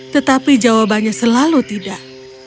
tetapi jawabannya selalu tidak